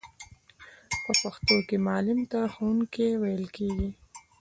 په پښتو کې معلم ته ښوونکی ویل کیږی.